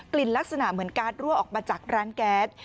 ลิ่นลักษณะเหมือนการ์ดรั่วออกมาจากร้านแก๊ส